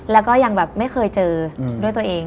แล้วก็ยังแบบไม่เคยเจอด้วยตัวเอง